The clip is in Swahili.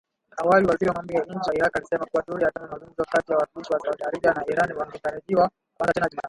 Awali waziri wa mambo ya nje wa Iraq, alisema kuwa duru ya tano ya mazungumzo kati ya wawakilishi wa Saudi Arabia na Iran ingetarajiwa kuanza tena Jumatano.